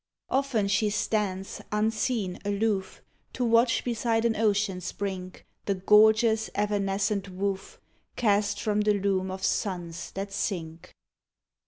Often she stands, unseen, aloof. To watch beside an ocean's brink The gorgeous, evanescent woof Cast from the loom of suns that sink.